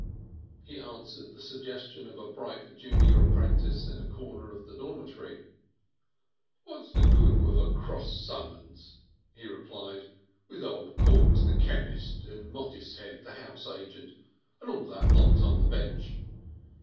He answered the suggestion of a bright junior apprentice in a corner of the dormitory. "What's the Good of a Cross summons?" he replied; "with old Corks, the chemist, and Mottishead, the house agent, and all that lot on the Bench?